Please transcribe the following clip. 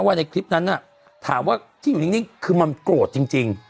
ว่าในคลิปนั้นอ่ะถามว่าที่อยู่นิ้งนิ้งคือเมินโกรธจริงจริง